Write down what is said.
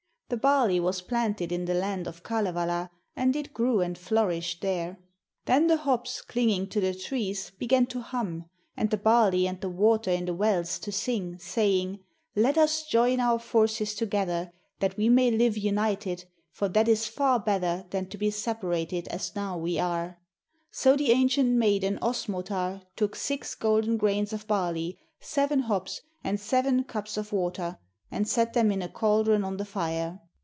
The barley was planted in the land of Kalevala, and it grew and flourished there. 'Then the hops, clinging to the trees, began to hum, and the barley and the water in the wells to sing, saying: "Let us join our forces together, that we may live united, for that is far better than to be separated as we now are." So the ancient maiden Osmotar took six golden grains of barley, seven hops, and seven cups of water, and set them in a caldron on the fire.